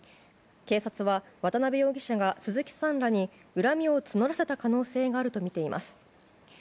警察は渡辺容疑者が鈴木さんらに恨みをつのらせた可能性があるとみています。